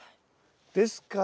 ですから。